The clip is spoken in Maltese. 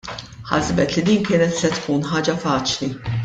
Ħasbet li din kienet se tkun ħaġa faċli.